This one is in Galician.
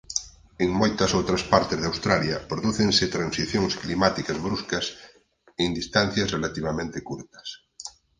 En moitas outras partes de Australia prodúcense transicións climáticas bruscas en distancias relativamente curtas.